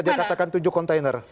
dia katakan tujuh kontainer